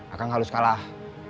akang harus kalah